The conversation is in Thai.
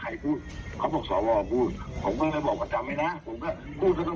วันนี้คุณพิธามีสิทธิ์ลงนาติกแน่นอนบวชเลือกนายกก็ต้องคุณพิธาแน่นอน